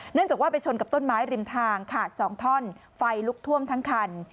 จากว่าไปชนกับต้นไม้ริมทางขาด๒ท่อนไฟลุกท่วมทั้งคัน